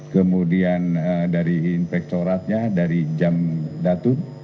kemudian dari inspektoratnya dari jam datuk